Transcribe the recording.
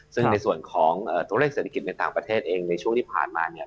ซึ่งในส่วนของตัวเลขเศรษฐกิจในต่างประเทศเองในช่วงที่ผ่านมาเนี่ย